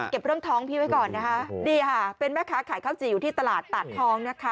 เรื่องท้องพี่ไว้ก่อนนะคะนี่ค่ะเป็นแม่ค้าขายข้าวจี่อยู่ที่ตลาดตาดทองนะคะ